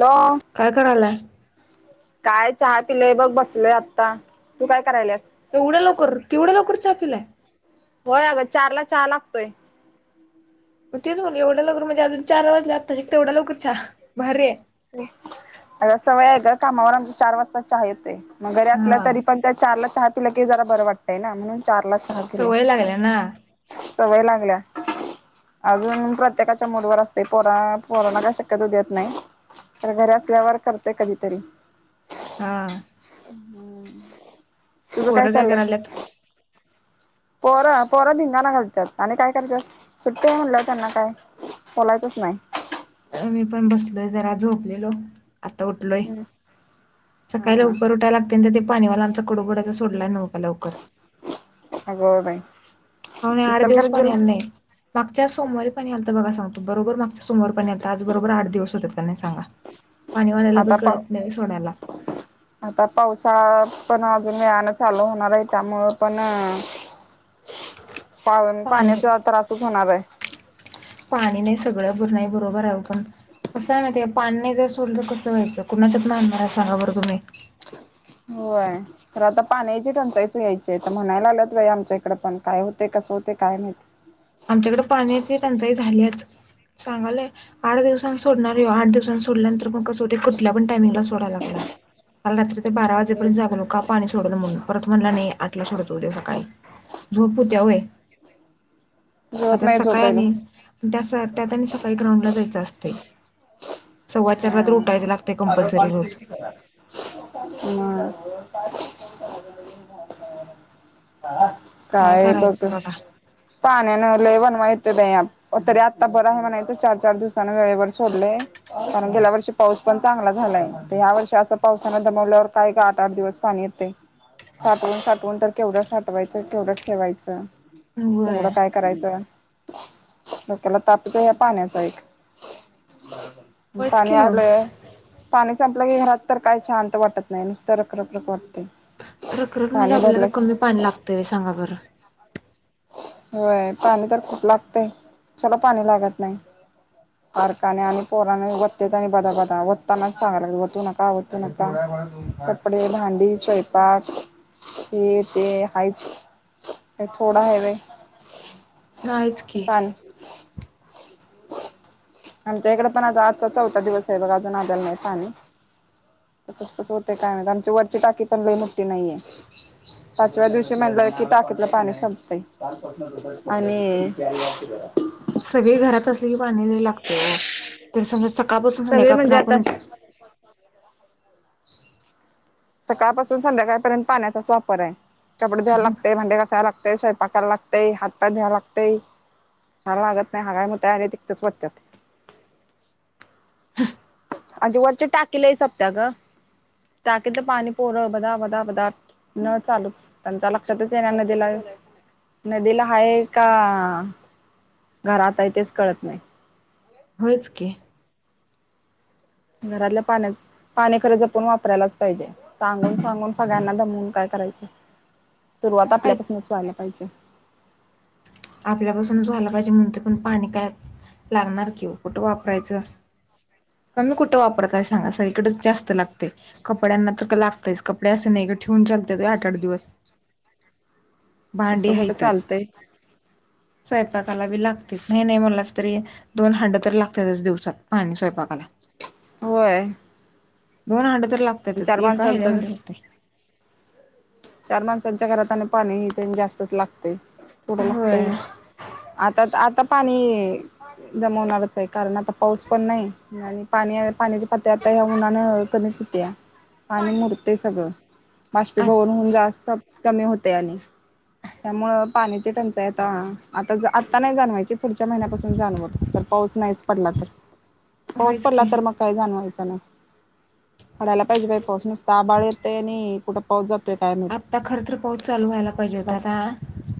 Hello काय करायलाय काय चहा पिलंय बघ बसलय आता तू काय करायला एवढ्या लवकर तेवढ्या लवकर चहा पिलाय होय अगं चार ला चा लागतोय मग तेच म्हण एवढ्या लवकर म्हणजे अजून चार वाजले आता तेवढ्या लवकरच आहे चहा भारी आहे अगं सवय ग कामावर आमच्या चार वाजता चहा येतोय मगरे असलं हा तरी पण त्या चारला चहा पिला की जरा बरं वाटतंय ना म्हणून चारला चहा केलो सवय लागल्या ना सवय लागल्या ना अजून प्रत्येकाच्या मूड वर असते ना पोरा पोरांना शक्यतो देत नाही तर घर असल्यावर करतेय कधीतरी हा तुझं पोरं काय चाललंय करायलात पोरं धिंगाणा घालतात आणि काय करतात सुट्टी म्हटल्यावर त्यांना काय बोलायचच नाही मी पण बसलोय जरा झोपलेलो आता उठलोय हम्म हा सकाळी लवकर हा उठायला लागते ते पाणी वाल्यांचं कडू थोड्याच सोडलाय नव का लवकर अग बाई. हो नाही आठ दिवस पाणी इचलकरंजीला आलं नाही मागच्या सोमवारी पाणी आल तर बघा सांगतो बरोबर मागच्या सोमवारी. पण आज बरोबर आठ दिवस होतात कि नाही सांगा. पाणीवाल्याला आता पण पाव कळत नाही सोडायला. आता पावसाळा पण अजून व्यायानं चालू होणार आहे त्यामुळ पण पाव पाणी पाण्याचा त्रासच होणार आहे. पाणी नाही सगळं भर नाही बरोबर आहे पण कसं आहे मा पानने जर सर तर कसं व्हायचं कुणाच्यातन आणणार आहे सांगा बरं तुम्ही होय तर आता पाण्याची टंचायच यायची तर म्हणायला आलंत व आमच्या इकडें पण काय होते कास हो ते काय माहित. आमच्याकडे पाण्याची टंचाई झालीच. सांगालय आठ दिवसां सोडणार आहे आठ दिवसां सोडल्यानंतर मग कसं होते कुठ पण टामिंगला सोडायला लागलाय. काल रात्री बारा वाजेपरण जागलो का पाणी सोडण म्हण परत म्हणला नाही आतला सोडत उद्या सकाळी झोपूत्या वय आ जेवत त्या नाही सकाळी आणि झोपेलच त्या त्यात आणि सकाळी ग्राउंडला जायचं असतंय. सव्वा चारला तर हम् उठायचं लागतंय हम्. कंपल्सरी रोज हा [unintelligible] काय करायचं बघ बघा. पाण्यान लई वन ते तरी आत्ता बरं आहे म्हणाच चार चार दिवसना वेळेवर सोडलंय. कारण गेल्या वर्षी पाऊस पण चांगला झालाय तर ह्या वर्षी असं पावसान दमवल्यावर काय का आठ आठ दिवस पाणी साठवून साठवून तर केवढं साठवायचं केवढं ठेवायचं. तेवढं व्हय काय करायचं. डोक्याला तापच आहे या पाण्याचा एक. होयच की पाणी मग आलंय पाणी संप आप [unintelligible] घरात तर काही शांत वाटत नाही नुसतं रखरखरख वाटते. प्रकरक म्हणजे आपल्याला काय कमी पाणी लागतंय सांगा बरं. होय पाणी तर खूप लागतंय कशाला पाणी लागत नाही. अडकाने आणि पोराने वते आणि बदा बदा वतताना सांग वतू नका वतू नका. कपडे भांडी स्वयंपाक हे ते हायचं. ते थोडा हवे नाहीच की. आमच्या इकडे पण आता आजचा चौथा दिवस आहे बघा अजून आजला नाही पाणी. तस कस होते काय नाही आमची वरची टाकी पण लई मुटठी नाहीये. पाचव्या दिवशी म्हणलं की टाकीतलं पाणी संपतय आणि सगळे घरात असली पाणी लागते हो त समजा सकाळपासून सगळे म्हणजे संध्याकाळपर्यंत आपण आता सकाळपासून संध्याकाळपर्यंत पाण्याचाच वापर आहे. कपडे धुवायला लागते, भांडे घसायला लागते, स्वयंपाकला लागतेय, हातपाय धुवायला लागतेय. ार [unintelligible] वागत नाही हगाय [unintelligible] मतग तिकतच वाटतात अज वरचे टाकी लई सपत्या ग टाकी तर पाणी पोर बदा, बदा, बदा नळ चालूच त्यांच्या लक्षातच येण्याना दिला. नदीला हाय का घरात आहे तेच कळत नाही. होचके. घरातल्या पाण्यात पाणी खरं जपून वापरायलाच पाहिजे सांगून सांगून सगळ्यांना दमून काय खरंय सुरुवात ऐक आपल्यापासूनच व्हायला पाहिजे. आपल्यापासूनच व्हायला पाहिजे म्हणून ते पण पाणी काय लागणार की कुठं वापरायचं कमी कुठं वापराचंय सांगा स जास्त लागते कपड्यांना तर लागत कपडे असे ठेवून चालते त आठ आठ दिवस भांडे तसं कुठं हायतच. चालतंय. स्वयंपाकाला बी लागते नाही नाही मला तरी दोन हा्ड तर लागतातच दिवसात पाणी स्वयंपाक बला [unintelligible] होय दोन हंड तर लागतातच चार एका माणसांचं हज्यामध्ये होते चार माणसांच्या घरात आणि पाणी तेन जास्तच लागते. थोडं लागत होय आता आता पाणी दमवणारच आहे कारण आता पाऊस पण नाही, आणि पाणी पाण्याचे पातळी आता या उनानं कधी सुट्या आणि मुरते सगळं बाशपी आ भूवन कमी होत आणि त्यामुळं पाण्याची टंचाई आता आता आत्ता नाही जाणवायची पुढच्या महिन्यापासून जाणव तर पाऊस नाहीच पडला तर, पाऊस होयच पडला की तर मग काही जाणवायच नाही. पडायला पाहिजे बाय पाऊस नुसत आबाळ येत आणि कुठे पाऊस जातो आता खर तर पाऊस चालू व्हायला पाहिजे होता आता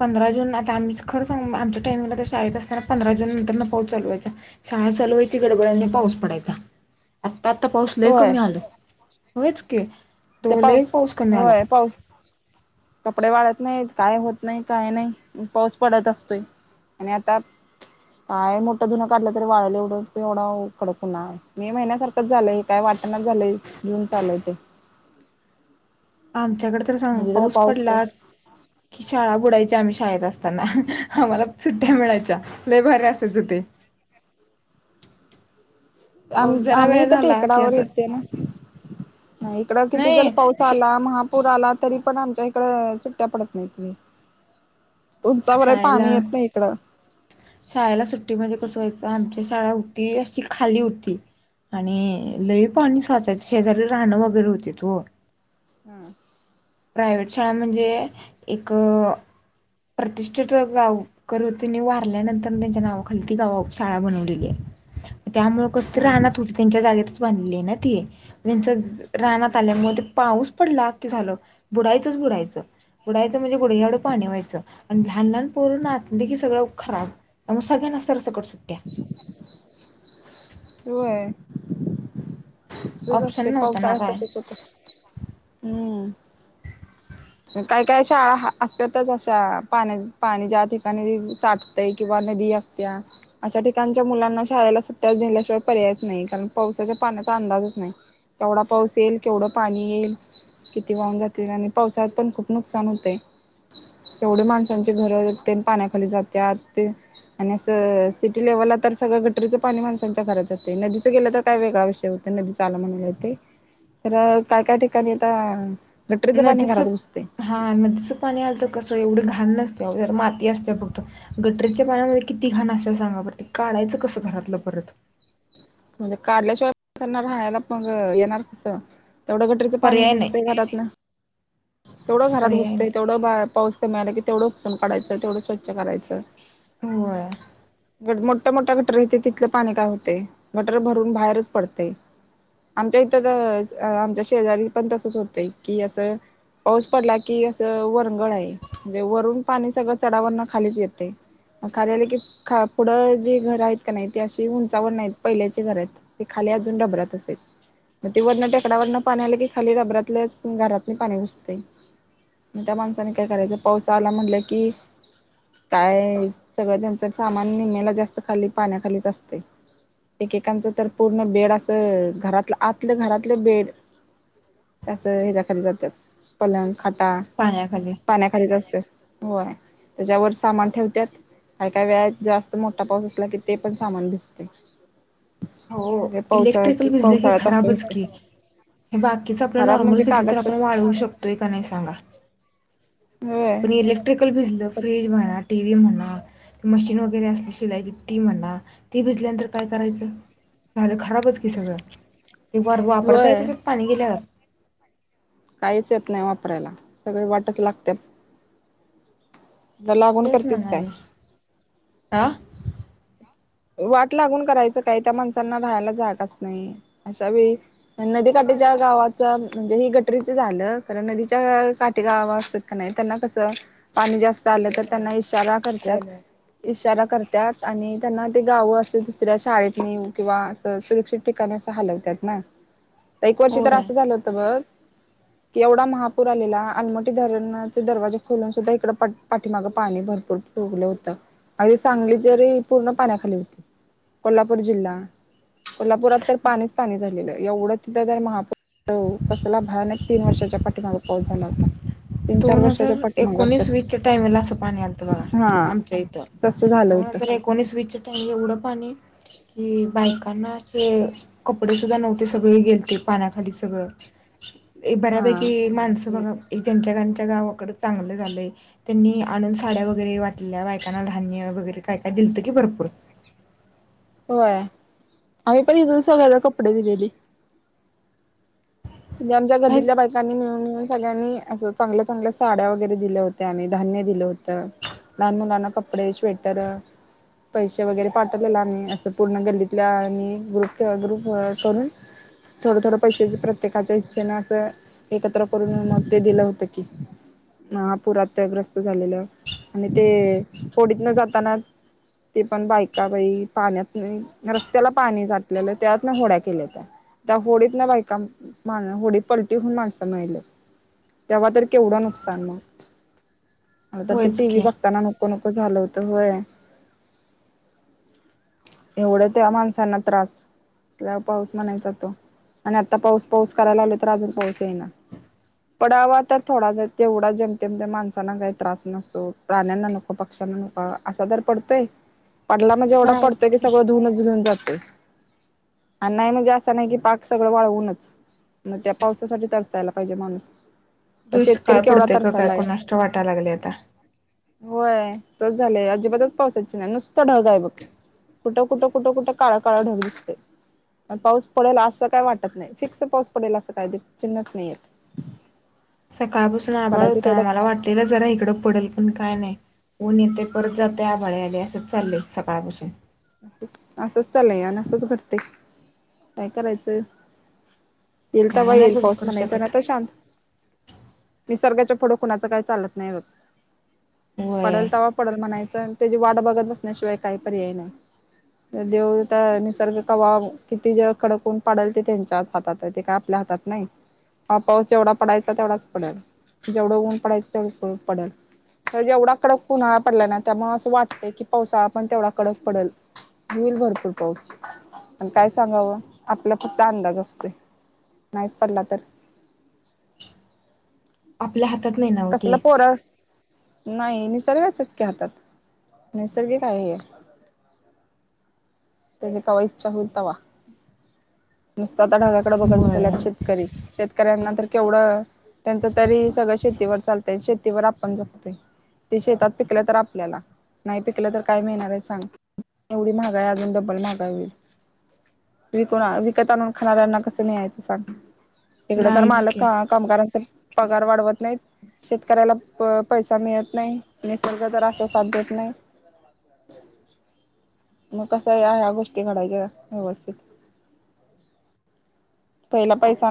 पंधरा आता खर सांगू आमच्या टामिंगला तर शाळेत असताना पंधरा जून नंतर पाऊस चालू व्हायचा शाळा चालू व्हायची. डड पाऊस पडायचा. आता पाऊस लय होय कमी आलं होयच की दो लय पाऊस कमी आला होय पाऊस कपडे वाळत नाहीत काय होत नाही काय नाही पाऊस पडत असतोय आणि आता, काय मोठं धुनं काढलं तरी वाळलं एवढं एवढा उ खडकन आहे मे महिन्यासारखं झालंय काय वाट घटना झालंय घऊन चालय ते आमच्याकडे तर सांग सगळीकडे पाऊस पडला पाऊस की शाळा बुडायची आम् शाळेत असताना आम्हाला सुट्ट्या मिळायच्या लय भारी असायच ते, [unintelligible] आम पाऊस जरा आम्ही वेळ तर झाला की टेकडावर असं येते ना, इकड किती जर पाऊस नाही आला महा पूर आला तरी पण आमच्या इकड सुट्ट्या पडत नाहीत. तुमच बर शाळेला पाणी येत नाय इकडं, शाळेला सुट्टीमध्ये कसवायचं आमच्या शाळा अशी खाली होती आणि लई पाणी स्वचायच शेजारी राहणं वगैरे होते. दो हम्म! प्रायव्ट शाळा म्हणजे एक प्रतिष्ठित गाव कर त्यांनी वारल्यानंतर त्यांच्या नावाखाली ती गाव शाळा बनवलेली आहे. अ्छा [unintelligible] त्यामुळं कस त राहनात होते त्यांच्या जागेतच बांधले ना ते त्यांच रानात आल्यामुळे ते पाऊस पडला की झाल बुडायचंच बुडायचं बुडायचं म्हणजे गुढग्याएव्हढ पाणी व्हायचं आणि लहान लहान पोरू नाचली की सगळं खराबग सगळ्यांना सरसकड सुट्ट्या होय! तसंच असतय ऑप्शन नव्हता ना पावसाळ्यात काय तसंच असतय, हम्म काही काय शाळा असतच असा पाण्या पाणी ज्या ठिकाणी साठतय किंवा, नदी असत्या अशा ठिकाणच्या मुलांना शाळेला सुट्ट्याल्याशिवाय पर्यायच नाही कारण पावसाच्या पाण्यात त्याचा अंदाजच नाही केवढा पाऊस येईल, केवढं पाणी येईल, किती वाहून जातील आणि पावसात, पण खूप नुकसान होते. एवढे माणसांचे घरते पाण्याखाली जातात ते आणि असं सिटी लेव्हलला तर सगळं गटरीचं पाणी माणसांच्या घरात जातं नदीचं गेलं तर काय वेगळा विषय होत नदी आला म्हण ते तर काय काय ठिकाणी आता गटरीचं पाणी घरात नदीचं बसत हा नदीचं पाणी आलं तर कसं एवढे घाण नसते आ माती असते फक्त गटररीच्या पाण्यामध्ये किती घाण असे सांगा पर ते काढायचं कसं घरातलं परत म्हणजे काढल्याशिवाय राहायला मग येणार कसं तेवढं गटरीचं पाणी पर्याय नाही घुसतेय घरातन तेवढं घरात पर्याय घुसतंय नाही तेवढं पाऊस कमी आला की तेवढं पुसून काढायचं तेवढं स्वच्छ करायचं हो मोठ्या मोठ्या गटर येते तिथलं पाणी काय होते गटर भरून बाहेरच पडते. आमच्या इतर आमच्या शेजारी पण तसच होतय की असं पाऊस पडला की असं वरंगळ आहे म्हणजे वरून पाणी सगळं चडाव न खालीच येते. खाली आलं की पुढं जे घर आहेत का नाही ते अशी उंचावर नाही पहिल्याचे घर आहेत ते खाली ते अजुन डबरातच आहेत वरच्या टेकडावरून पाणी आलं की खालीबरात घरात पाणीघुसत. त्या माणसाने काय करायचं पावसाला म्हणलं की काय सगळं त्यांचं सामान निेहमेला जास्त खाली पाण्याखालीच असते एकेकांचं तर पूर्ण बेड असं घरात आतलं घरातले बेड त्यास हच्या खाली जातं पलंग खाटा पाण्याखाली पाण्याखालीच असत होय त्याच्यावर सामान ठेवतत कार काय वेयात जास्त मोठा पाऊस असला की ते पण सामान दिसते. हो इलेक्ट्रिकल बिजले क असं खराबच होते की हे बाकीच आपलं खराब म्हणजे नॉर्मल भिजले तर आपण कागदपत्र वाढवू शकतोय का नाही सांगा होय. पण इलेक्ट्रिकल बिजलं फ्रीज म्हणा टीव्ही म्हणा मशीन वगैरे असली शिलायची ती म्हणा ती भिजल्यानंतर काय करायचं झालं खराबच की सगळं एक वार वापरच आहे होय तथत पाणी गेल्यावर काहीच येत नाही वापरायला सगळे वाटच लागते लागून करतेस काय आ वाट लागून करायचं काय त्या माणसांना राहायला जागाच नाही. अशा वेळी नदी का काटे ज्या गावाचं म्हणजे हे गटरीच झालं खर नदीच्या काठीे गाव असतात का नाही त्यांना कस पाणी जास्त आलं तर त्यांना इशारा करत्यात इशारा करत्यात, आणि त्यांना ते गावं असे दुसऱ्या शाळेतनी किंवा अस सुरक्षित ठिकाणी असं हलवत्यात ना एक वर्षी तरी होय असं झालं होतं बघ कि एवढा महापूर आलेला. आलमटी धरणाचे दरवाजे खोलून सुद्धा इकड पाठीमागं पाणी भरपूर लं होत. आणि सांगली जरी पूर्ण पाण्याखाली होती. कोल्हापूर जिल्हा. कोल्हापुरात तर पाणीच पाणी झालेलं. एवढं तिथं तर महापौर कसला भयानक तीन वर्षाच्या पाठीमाग पाऊस झाला होता. तीन चार दोन हजार वर्षाच्या पाठी मग अस. एकोणीस वीसच्या टाइमला असं पाणी आलतं बघा हा. तस झालं होतं. स्विच टाईम एवढ पाणी कि बायकांना असे, कपडे सुद्धा नव्हते सगळे गेलते पाण्याखाली सगळं [inaudible] एक हा बऱ्यापैकी माणसं बघा. त्यांची च्या गावाकड चांगलं झालंय, त्यांनी आणून साड्या वगैरे वाटल्या. बायकांना धान्य वगैरे काही काय दिलत की भरपूर होय. आम्ही पण तथून सगळ्याला कपडे दिलेली. ते आमच्या काय गल्लीतल्या बायकांनी मिळून सगळ्यांनी असं चांगल्या, चांगल्या साड्या वगैरे दिल्या होत्या. आणिह धान्य दिलं होतं. लहान मुलांना कपडे, श्वेटर पैसे वगैरे पाठवलेला आम्ही, असं पूर्ण गल्लीतल्या आणि ग्रुप ग्रुप करून थोड थोडं पैसे प्रत्येक इच्छे न असं एकत्र करून मग, ते दिलं होतं की. महापुरात ग्रस्त झालेलं. आणि ते होडीत न जाताना ते पण बायका बाई पाण्यात रस्त्याला पाणी साठलेलं, त्यात ना होड्या केल्यात त्या होडीत ना बायका मा होडी पलटी होउन माणसं मेल्यात. तेव्हा तर केवढं नुकसान मग आ तर ते होयच टी व्ही की बघताना नको नको झालं होत. होय. एवढं त्या माणसांना त्रास, त्या पाऊस म्हणायचा तो. आणि आता पाऊस पाऊस करायला लावलोय, तर अजून पाऊस येई ना. पडावा तर थोडा ज तेवढा जेमतेमत माणसांना काही त्रास नसो, राण्यांना नको, पक्ष असा तर पडतोय? पडला म्हणजे एवढा पडतोय की सगळ धुूनच घेऊन जात आणि नाही म्हणजे असा नाही की पाक सगळ वाळवूनच मग त्या पावसासाठी तसायला पाहिजे माणूस तर दुईष शेतकरी काळ केवढा पडतेय का काय तरसायलाय कोणाष्ट वाटायला लागले आता होय सच झालंय अजिबातच पावसाची नाही नुसतं ढग आहे बघ कुठं कुठं कुठं कुठं काळा काळा ढग दिसते पाऊस पडेल असं काही वाटत नाही फ पाऊस पडेल असं काय ते चिन्हच नाहीय सकाळपासून आभाळ होता आम्हाला वाटलेला जरा इकडं पडेल पण काय नाही ऊन येते परत जातय आभाळे आले असच चाललेय सकाळपासून असंच चालय आणि असंच घडते काय करायचंय येईल तर बा काय नाही येईल बघू पाऊस करू म्हणायचा शकत. नाही तर शांत निसर्गाच्या फोटो कुणाचं काही चालत नाही हो होय पडेल तवा पडेल म्हणायचं त्याची वाट बघत बसण्याशिवाय काही पर्याय नाही देव निसर्ग कवाब किती जे खडकून पाडेल ते त्यांच्या हातात आहे ते काय आपल्या हातात नाही हा पाऊस जेवढा पडायचा तेवढाच पडेल जेवढा ऊन पडायच तेवढ पडेल तर जेवढा कडक उन्हाळा पडलाय ना त्यामुळे असं वाटतंय की पावसाळा पण तेवढा कडक पडेल होईल भरपूर पाऊस प काय सांगावं आपला फक्त अंदाज असतो नाहीच पडला तर आपल्या हातात नाही कसलं नवते पोरं नाही निसर्गाच्याच क हातात निसर्गिक आहे [inaudible] त्याची कावा इच्छा होलतावा नुसत आता ढगाकडे बघत बसल्यात होय शेतकरी शेतकऱ्यांनांतर केवढं त्यांच तरी सगळं शेतीवर चालतंय शेतीवर आपण जपतोय ते शेतात पिकलं तर आपल्याला नाही पिकलं तर काय मिळणार आहे सांग एवढी महागा आहे अजून ावी विक विकतानून खाणाऱ्यांना कसं नाहीयचं सांग इकडं तर नाहीच माल की कामगारांचा पगार वाढवत नाहीत शेतकऱ्याला पैसा मिळत नाही निसर्ग तर असा साध्य देत नाही मका या या गोष्टी घडायच्या व्यवस्थित. पहिला पैसा